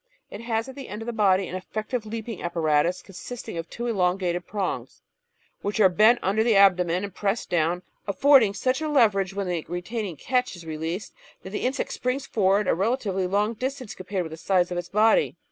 It has at the end of the body an effective leaping apparatus consisting of two elongated prongs, which are bent under the abdomen and pressed down, affording such a leverage when the retaining "catch" is released that the insect springs forward a relatively « long distance compared with the size of its body.